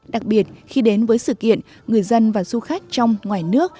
đặc biệt khi đến với sự kiện người dân và du khách trong ngoài nước